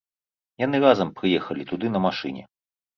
Яны разам прыехалі туды на машыне.